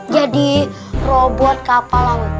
jadi robot kapal laut